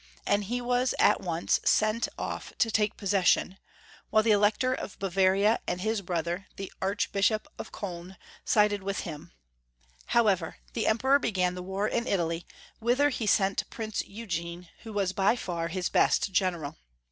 and he was at once sent off to take possession, whUe ihe Elector of Bavaria and liis brother, the Archbishop of Koln, sided with him. However, the Emperor began the war in Italy, whither he sent Prince Eugene, who was by far his best general.